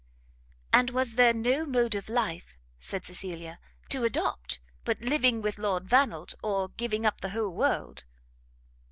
"And was there no mode of life," said Cecilia, "to adopt, but living with Lord Vannelt, or giving up the whole world?"